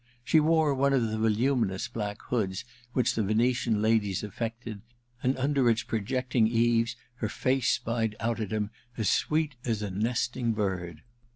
She wore one of the voluminous black hoods which the Venetian ladies affected, and under its projecting eaves her face spied out at him as sweet .as a nesting bird.